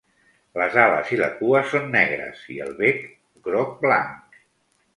Les ales i la cua són negres i el bec groc-blanc.